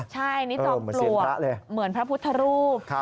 ใช่นี่ดอกปลั่วเหมือนพระพุทธรูป